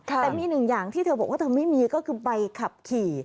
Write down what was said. แต่มีหนึ่งอย่างที่เธอบอกว่าเธอไม่มีก็คือใบขับขี่